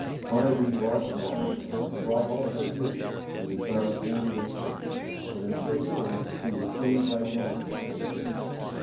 Barnaby brought the blind man, and brought also Hugh, whom he found wounded in the street, but in so doing he was seen by Dennis, the hangman.